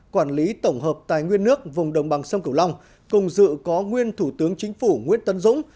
quản lý tổng hợp tài nguyên nước vùng đồng bằng sông cửu long cùng dự có nguyên thủ tướng chính phủ nguyễn tân dũng